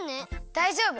だいじょうぶ！